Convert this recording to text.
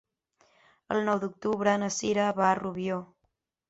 El nou d'octubre na Cira va a Rubió.